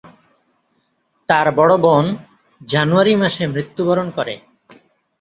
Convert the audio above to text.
তার বড় বোন জানুয়ারি মাসে মৃত্যুবরণ করে।